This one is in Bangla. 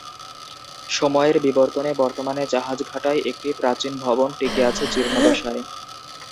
সময়ের বিবর্তনে বর্তমানে জাহাজঘাটায় একটি প্রাচীন ভবন টিকে আছে জীর্ণদশায়।